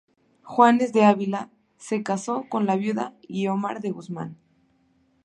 Juanes de Ávila se casó con la viuda Guiomar de Guzmán.